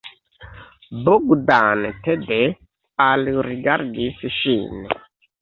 Bogdan tede alrigardis ŝin.